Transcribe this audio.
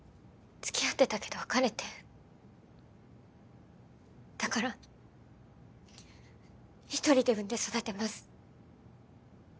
つきあってたけど別れてだから一人で産んで育てます